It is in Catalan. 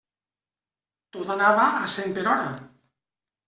Tot anava a cent per hora.